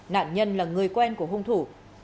nạn nhân là người quen của hung thủ